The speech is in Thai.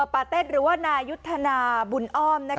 ปาเต็ดหรือว่านายุทธนาบุญอ้อม